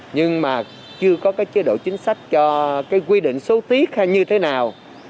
nhưng mà chưa có cái chế độ chính sách cho cái quy định số tiết như thế nào